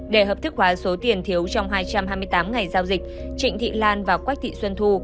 để hợp thức hóa số tiền thiếu trong hai trăm hai mươi tám ngày giao dịch trịnh thị lan và quách thị xuân thu